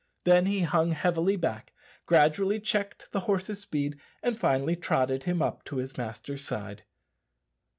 Then he hung heavily back, gradually checked the horse's speed, and finally trotted him up to his master's side.